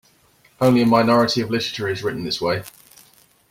Only a minority of literature is written this way.